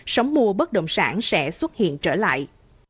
sóng mua bất động sản sẽ xuất hiện trở lại